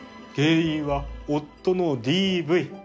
原因は夫のＤＶ。